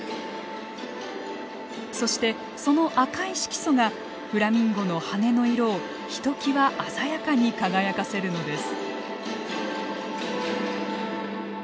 そしてその赤い色素がフラミンゴの羽根の色をひときわ鮮やかに輝かせるのです。